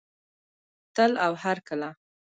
تل او هرکله.